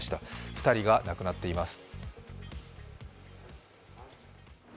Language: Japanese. ２人が亡くなっています。